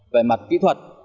về mặt kỹ thuật